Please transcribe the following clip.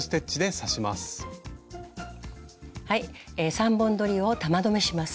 ３本どりを玉留めします。